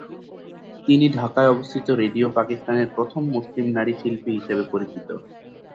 তিনি ঢাকায় অবস্থিত রেডিও পাকিস্তানের প্রথম মুসলিম নারী শিল্পী হিসেবে পরিচিত।